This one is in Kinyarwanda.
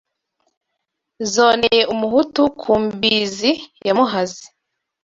Zoneye umuhutu ku mbizi ya Muhazi